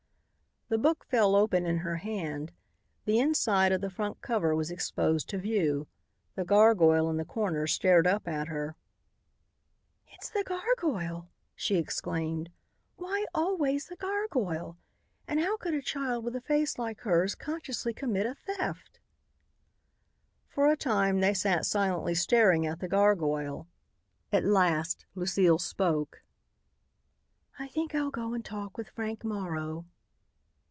The book fell open in her hand. The inside of the front cover was exposed to view. The gargoyle in the corner stared up at her. "It's the gargoyle!" she exclaimed. "Why always the gargoyle? And how could a child with a face like hers consciously commit a theft?" For a time they sat silently staring at the gargoyle. At last Lucile spoke. "I think I'll go and talk with Frank Morrow."